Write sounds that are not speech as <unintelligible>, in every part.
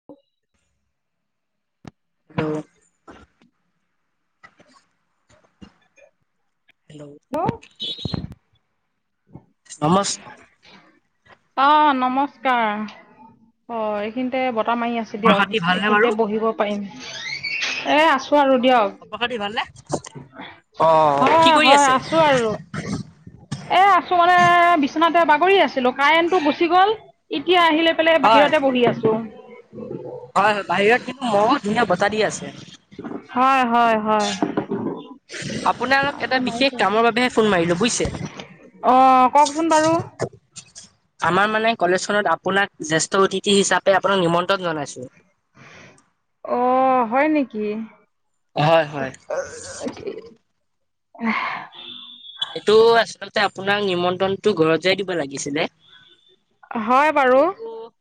<unintelligible> <inaudible> Hello? Hello? নমস্কাৰ। অ', নমস্কাৰ। অ', এইখিনিতে বতাহ মাৰি আছে। খবৰ দিয়ক, খাতি ভালনে বাৰু এইখিনিতে বহিব পাৰিম। এ, আছোঁ আৰু হয় হয় খবৰ খাতি ভালনে দিয়ক। কি কৰি হয়-হয় আছে আছোঁ আৰু। এ আছোঁ মানে বিচনাতে বাগৰি আছিলোঁ। কাৰেণ্টটো গুচি গল এতিয়া আহিলৈ পেলাই বাহিৰতে বহি আছোঁ। হয়-হয় বাহিৰত কিন্তু মহ ধুনীয়া বতাহ দি আছে। হয়-হয়-হয়। <unintelligible> আপোনালৈ এটা বিশেষ কামৰ বাবেহে ফোন মাৰিলোঁ বুইছে? অ', কওঁকচোন বাৰু? আমাৰ মানে কলেজখনত আপোনাক জেষ্ঠ অতিথি হিচাপে আপোনাক নিমন্ত্ৰন জনাইছোঁ। অ', হয় নেকি? হয় হয় <unintelligible> এইটো আচলতে আপোনাক নিমন্ত্ৰনটো ঘৰতে দিব লাগিছিলে। হয় বাৰু। <unintelligible>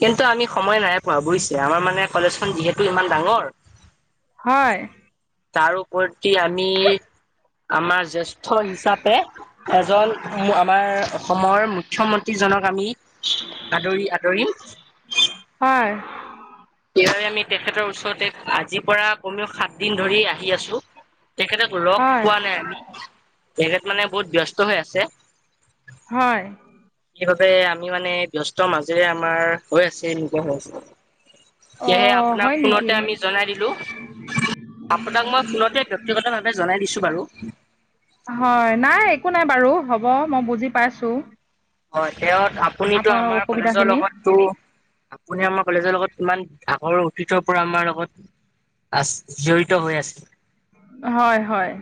কিন্তু আমি সময় নাই পোৱা বুইছে? আমাৰ মানে কলেজখন যিহেতু ইমান ডাঙৰ হয়। তাৰ ওপৰত কি আমি আমাৰ জেষ্ঠ হিচাপে। এজন আমাৰ অসমৰ মুখ্যমন্ত্ৰী জনক আমি আদৰি-আদৰি। হয়। <unintelligible> আমি তেখেতৰ ওচৰতে আজি পৰা কমেও সাত দিন ধৰি আহি আছোঁ। তেখেতক লগ হয় পোৱা নাই আমি, তেখেত মানে বহুত ব্যস্ত হৈ আছে। হয়। সেইবাবে আমি মানে ব্যস্ত মাজেৰে আমাৰ হৈ আছে নিজা হৈ আছে। অ সেইহে আপোনাৰ হয় ফোনতে নেকি আমি জনাই দিলোঁ। আপোনাক মই ফোনতে ব্যক্তিগতভাৱে জনাই দিছোঁ বাৰু। হয়। নাই একো নাই বাৰু হ'ব, মই বুজি পাইছোঁ। হয়, তেওঁত আপুনিতো আমাৰ কলেজৰ অসুবিধাখিনি লগতটো আপুনি আমাৰ কলেজৰ লগত কিমান ডাঙৰ অতীতৰ পৰা আমাৰ লগত জড়িত হৈ আছিল। হয়-হয়।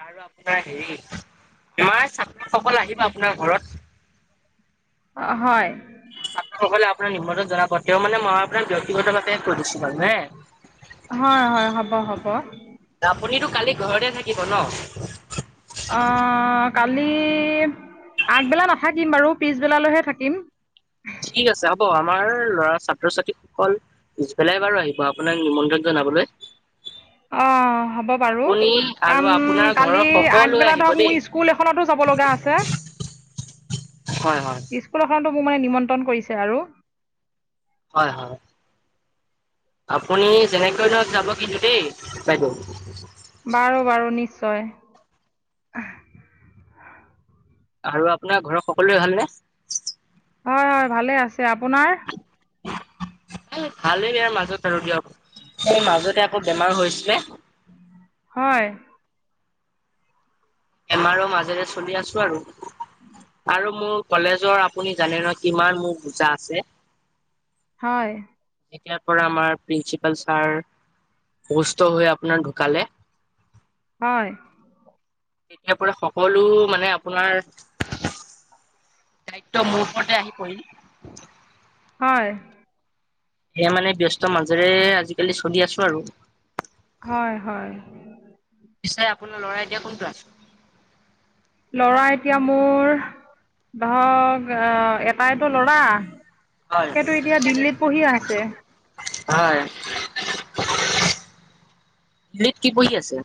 আৰু আপোনাৰ হেৰি, আমাৰ ছাত্ৰসকল আহিব আপোনাৰ ঘৰত। অ', হয়। ছাত্ৰসকলে আপোনাৰ নিমন্ত্ৰণ জনাব, তেউ মানে মই আপোনাক ব্যক্তিগতভাৱে কৈ দিছোঁ বাৰু হে? হয়-হয়, হ'ব-হ'ব। আপুনিতো কালি ঘৰতে থাকিব ন? অ', কালি আগবেলা নাথাকিম বাৰু, পিছবেলালৈ হে থাকিম। ঠিক আছে হ'ব আমাৰ ল'ৰা ছাত্ৰ ছাত্ৰী সকল পিছবেলাই বাৰু আহিব আপোনাক নিমন্ত্ৰণ জনাবলৈ। অ', হ'ব বাৰু। আপুনি আৰু আপোনাৰ কাৰণ ঘৰৰ কালি সকলোৱে আগবেলা আহিব ধৰক মোৰ স্কুল স্কুল এখনতো যাব লগা আছে। হয়-হয়। স্কুল এখনটো মোৰ মানে নিমন্ত্ৰণ কৰিছে আৰু। হয়-হয়। আপুনি যেনেকৈ নহওঁক যাব কিন্তু দেই বাইদেউ। বাৰু-বাৰু, নিশ্চয়। আৰু আপোনাৰ ঘৰৰ সকলোৱে ভালনে? হয়-হয় ভালে আছে। আপোনাৰ? এ ভালেই বেয়াৰ মাজত আৰু দিয়ক। সেই মাজতে আকৌ বেমাৰ হৈছিলে। হয়। বেমাৰো মাজেৰে চলি আছোঁ আৰু। আৰু মুৰ কলেজৰ আপুনি জানে নহয় কিমান মোৰ বুজা আছে। হয়। এতিয়াৰ পৰা আমাৰ প্ৰিন্সিপাল ছাৰ অসুস্থ হৈ আপোনাৰ ঢুকালে। হয়। এতিয়া পৰা সকলো মানে আপোনাৰ দায়িত্ব মোৰ ওপৰতে আহি পৰিল। হয়। সেয়া মানে ব্যস্ত মাজেৰে আজিকালি চলি আছোঁ আৰু। হয়-হয়। পিছে আপোনাৰ লৰাই এতিয়া কোন ক্লাছ? লৰা এতিয়া মোৰ, ধৰক এটাইতো ল'ৰা হয় সেইটো এতিয়া দিল্লীত পঢ়ি আছে। হয়। দিল্লীত কি পঢ়ি আছে?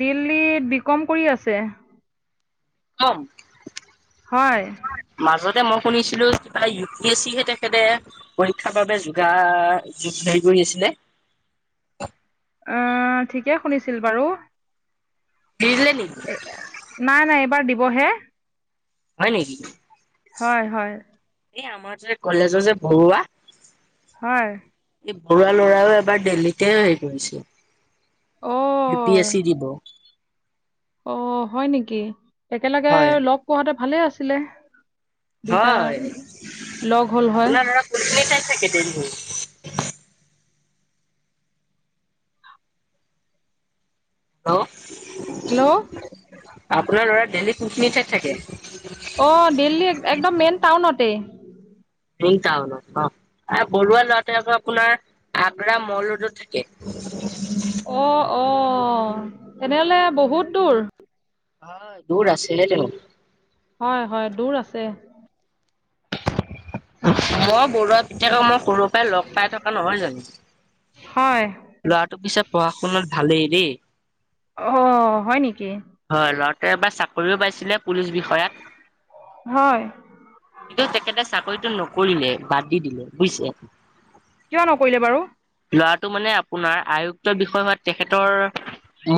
দিল্লীত বি কম কৰি আছে। অ। হয়। মাজতে মই শুনিছিলো কিবা ইউ পি এছ চিহে তেখেতে পৰীক্ষাৰ বাবে যোগাৰ হেৰি কৰি আছিলে। অ, ঠিকে শুনিছিল বাৰু। দি দিলে নি? নাই, নাই, এইবাৰ দিবহে। হয় নেকি? হয়, হয়। এই আমাৰ যে কলেজৰ যে বৰুৱা হয়। এই বৰুৱা ল'ৰাও এবাৰ দেলহীতে হেৰি কৰিছিল, ইউ পি এছ অ' চি দিব। অ, হয় নেকি? একেলগে হয় লগ পোৱা হেতে ভালে আছিলে। দুইটা হয় লগ হ'ল হয়। আপোনাৰ ল'ৰা <unintelligible> অ হেল্ল'। আপোনাৰ ল'ৰা দেলহীত কোনখিনি ঠাইত থাকে? অ দিল্লীত একদম মেইন টাউনতে। মেইন টাউনত অ। এ বৰুৱা ল'ৰাটোৱে আকৌ আপোনাৰ আগ্ৰা মল ৰোডত থাকে। অ-অ, তেনেহ'লে বহুত দূৰ। হয়, দূৰ আছেহে তেও। হয়-হয়, দূৰ আছে। মই বৰুৱা পিতেকক মই সৰুৰ পৰাই লগ পাই থকা নহয় জানো। হয় ল'ৰাটো পিছে পঢ়া-শুনাত ভালেই দেই। অ, হয় নেকি? হয়, ল'ৰাটোৱে এবাৰ চাকৰিও পাইছিলে পুলিচ বিষয়াত। হয়। কিন্তু তেখেতে চাকৰিতো নকৰিলে, বাদ দি দিলে বুইছে। কিয় নকৰিলে বাৰু? ল'ৰাটো মানে আপোনাৰ আয়ুক্ত বিষয় হোৱা তেখেতৰ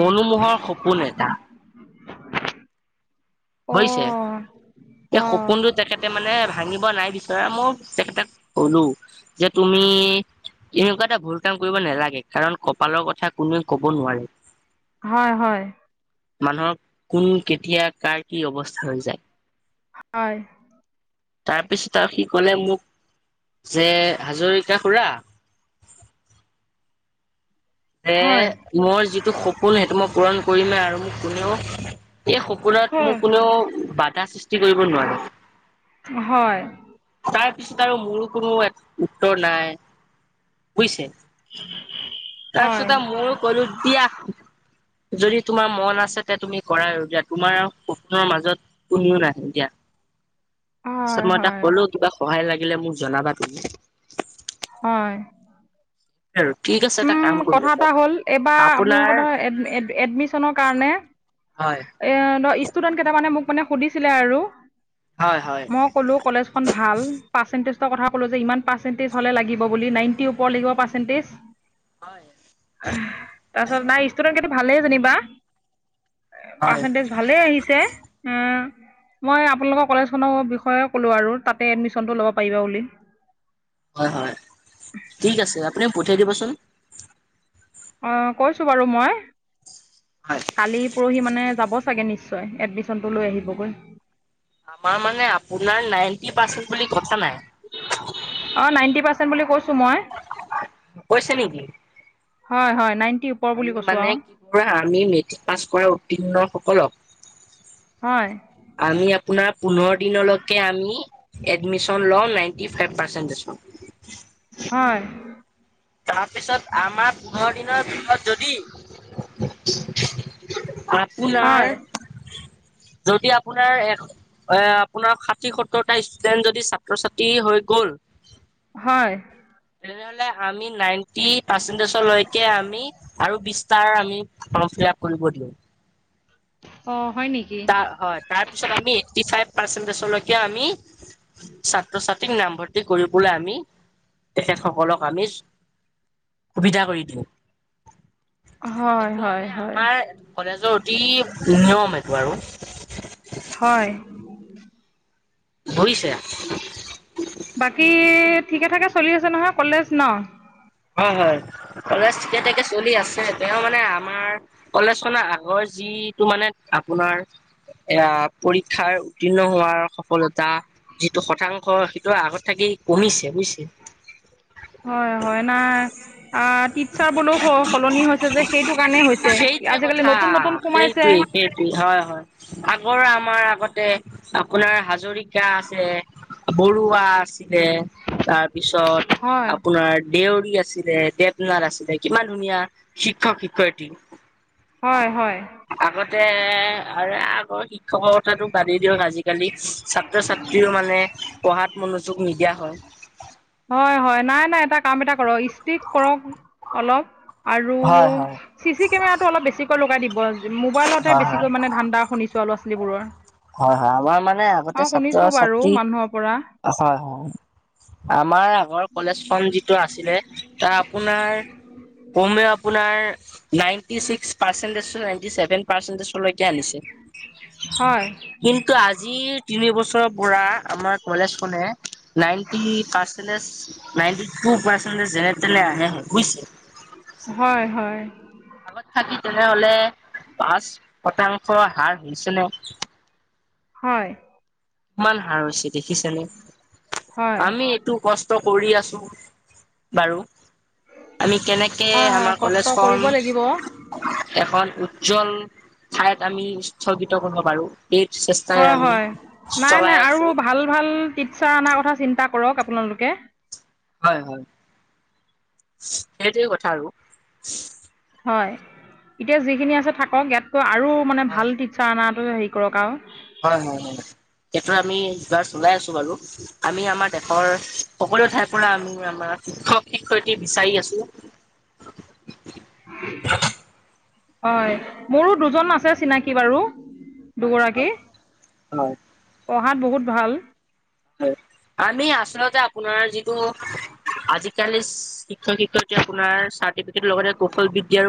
মনোমোহৰ সপোন এটা। অ বুজিছে? সেই অ সপোনটো তেখেতে মানে ভাঙিব নাই বিচৰা। মোৰ তেখেতক কলোঁ যে তুমি এনেকুৱা এটা ভুল কাম কৰিব নালাগে, কাৰণ কপালৰ কথা কোনোৱে ক'ব নোৱাৰে। হয়, হয়। মানুহক কোন, কেতিয়া, কাৰ, কি অৱস্থা হৈ যায় হয়। তাৰপিছত আৰু সি ক'লে মোক যে হাজৰিকা খুৰা যে হয় মৰ যিটো সপোন সেইটো মই পূৰণ কৰিমে আৰু মোক কোনেও এই সপ সপোনত হয় মোক কোনেও বাধা সৃষ্টি কৰিব নোৱাৰে। হয়। তাৰপিছত আৰু মোৰো কোনো এক উত্তৰ নাই, বুইছে? হয় তাৰপিছত আৰু মইয়ো ক'লো দিয়া। যদি তোমাৰ মন আছে তে তুমি কৰা আৰু দিয়া। তোমাৰ আৰু সপোনৰ মাজত কোনেও নাহে দিয়া। হয় তাৰপাছত মই তাক হয় ক'লো, কিবা সহায় লাগিলে মোক জনাবা তুমি। হয়। আৰু ঠিক আছে, এটা উম কাম কথা কৰি এটা হ'ল এইবাৰ <unintelligible> আপোনালোকৰ আপোনাৰ ধৰ হয়। এইয়া ন, ষ্টুডেণ্ট কেইটামানে মোক মানে সুধিছিলে আৰু। হয়-হয়। মই ক'লো কলেজখন ভাল, পাৰ্চেণ্টেজৰ কথা ক'লো যে, ইমান পাৰ্চেণ্টেজ হ'লে লাগিব বুলি, নাইনটি ওপৰ লাগিব পাচ পাৰ্চেন্তেছ হয়। এহ, তাৰপাছত নাই ষ্টুডেণ্ট কিন্তু ভালেই যেনিবা। হয় পাৰ্চেন্টেজ ভালেই আহিছে। উম, মই আপোনালোকৰ কলেজখনৰ বিষয়ে ক'লোঁ আৰু তাতে এডমিশ্যনটো ল'ব পাৰিব বুলি। হয়-হয়, ঠিক আছে, আপুনি পঠিয়াই দিবচোন। অ', কৈছো বাৰু মই। হয়। কালি পৰহি মানে যাব চাগে নিশ্চয়, এডমিশ্যনটো লৈ আহিবগৈ। আমাৰ মানে আপোনাৰ নাইনটি পাৰ্চেন্ট বুলি কথা নাই। অ', নাইনটি পাৰ্চেন্ট বুলি কৈছো মই। কৈছে নেকি হয়-হয়, নাইণ্টি ওপৰ বুলি আমি কৈছোঁ মানে আৰু কি কৰো হা, আমি মেট্ৰিক পাছ কৰা উত্তীৰ্ণ সকলক হয়। আমি আপোনাৰ পোন্ধৰ দিনলৈকে আমি এডমিশ্যন লওঁ, নাইনটি ফাইভ পাৰ্চেন্টেছত। হয়। তাৰপিছত আমাৰ পোন্ধৰ দিনৰ ভিতৰত যদি হয় আপোনাৰ, যদি আপোনাৰ এস এ আপোনাৰ ষাঠি সত্তৰটা ষ্টুডেন্ট যদি ছাত্ৰ- ছাত্ৰী হৈ গ'ল হয়। তেনেহ'লে আমি নাইনটি পাৰ্চেন্টেজৰ লৈকে আমি আৰু বিছটাৰ আমি ফ্ৰম ফিলাপ কৰিব দিওঁ। অ', হয় নিকি। তাৰ হয়, তাৰ পিছত আমি এইট্টি ফাইভ পাৰ্চেন্টেজলৈকে আমি, ছাত্ৰ ছাত <unintelligible> নামভৰ্তি কৰিবলৈ আমি, তেখেতসকলক আমি সুবিধা কৰি দিওঁ, হয় এইটো হয় মানে হয় আমাৰ কলেজৰ অতি নিয়ম এইটো আৰু। হয়। বুইছে। বাকী ঠিকে ঠাকে চলি আছে নহয় কলেজ ন। হয়- হয়, কলেজ ঠিকে ঠিকে চলি আছে, তেওঁ মানে আমাৰ কলেজখনৰ আগৰ যিটো মানে আপোনাৰ এয়া পৰীক্ষাৰ উত্তীৰ্ণ হোৱাৰ সফলতা যিটো শতাংশ, সেইটো আগত থাকি কমিছে বুইছে। হয়- হয়, নাই আ টিটছাৰ বোলেও স সলনি হৈছে যে, সেইটো কাৰণেই হৈছে, সেইটোৱে আজিকালি কথা নতুন- নতুন সোমাইছে। সেইটোৱে সেইটোৱে, হয়-হয়। আগৰ আমাৰ আগতে আপোনাৰ হাজৰিকা আছে, বৰুৱা আছ দিলে তাৰপিছত হয় আপোনাৰ দেউৰী আছিলে, দেৱনাথ আছিলে কিমান ধুনীয়া শিক্ষক-শিক্ষয়িত্ৰী। হয়, হয়। আগতে আৰু আগৰ শিক শিক্ষকৰ কথাটো বাদেই দিয়ক। আজি-কালি ছাত্ৰ-ছাত্ৰীও মানে পঢ়াত মনোযোগ নিদিয়া হয়। হয়, হয়। নাই, নাই। এটা কাম এটা কৰক। ষ্টিক কৰক অলপ। আৰু হয় হয় চি চি কেমেৰাটো অলপ বেছিকৈ লগাই দিব। মোবাইলতে হয় বেছিকৈ মানে ধান্দা শুনিছোঁ আও ল-ছালীবোৰৰ। হয়, হয়। আমাৰ মানে আগতে বাৰু ছাত্ৰ-ছাত্ৰী, মানুহৰ পৰা হয় হয়। আমাৰ আগৰ কলেজখন যিটো আছিলে তাৰ আপোনাৰ কমেও আপোনাৰ ninety six percentage to ninety seven পাৰ্চেন্টেজলৈ কি হয় আনিছে? কিন্তু আজিৰ তিনি বছৰৰ পৰা আমাৰ কলেজখনে ninety percentage, ninety two percentage যেনে তেনে আহে বুইছে। হয়, হয়। আগত থাকি তেনেহ'লে পাঁচ শতাংশ হাৰ হৈছে ন। হয়। ইমান হাৰ হৈছে দেখিছেনে? হয় আমি টো কষ্ট কৰি আছো বাৰু। আমি কেনেক কে হয় হয় আমাৰ কষ্ট কৰিব কলেজখন লাগিব এখন উজ্জ্বল ঠাইত আমি স্থগিত কৰিব পাৰো সেইট চেষ্টাই হয় আমি হয় নাই, না চলাই আছো আৰু ভাল ভাল টিটছাৰ আনা কথা চিন্তা কৰক আপোনালোকে। হয়, হয়। সেইটোৱে কথা আৰু। হয়, এতিয়া যিখিনি আছে থাকক। ইয়াতকৈ আৰু মানে ভাল টি চাৰ আনাটো হেৰি কৰক আৰু। হয়, হয়, হয়। সেইটো আমি <unintelligible> ওলাই আছো বাৰু। আমি আমাৰ দেশৰ সকলো ঠাইৰ পৰা আমি আমাৰ শিক্ষক-শিক্ষয়িত্ৰী বিচাৰি আছো। হয়, মোৰো দুজন আছে চিনাকি বাৰু। হয় দুগৰাকী। হয় পঢ়াত বহুত ভাল। আমি আচলতে আপোনাৰ যিটো আজি-কালি শিক্ষক-শিক্ষয়িত্ৰী আপোনাৰ চাৰ্টিফিকেটৰ লগতে কৌশল বিদ্যাৰ